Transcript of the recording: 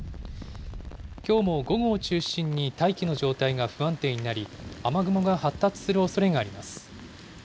きょうも午後を中心に大気の状態が不安定になり、雨雲が発達するおそれがあります。